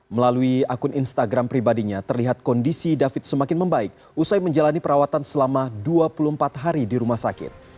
melalui akun instagram pribadinya terlihat kondisi david semakin membaik usai menjalani perawatan selama dua puluh empat hari di rumah sakit